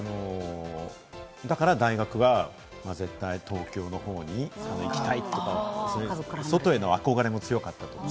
だから大学は絶対、東京のほうに行きたいとか、それぞれ外への憧れも強かったと思います。